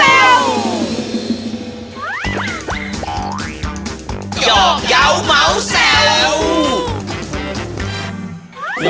หยอกเย้าเมาเหส่ว